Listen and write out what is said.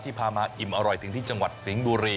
พามาอิ่มอร่อยถึงที่จังหวัดสิงห์บุรี